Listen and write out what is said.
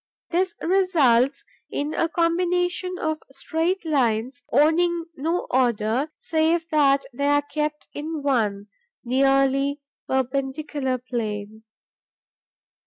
This results in a combination of straight lines owning no order, save that they are kept in one, nearly perpendicular plane.